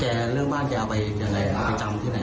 เรื่องบ้านแกเอาไปยังไงไปจำที่ไหน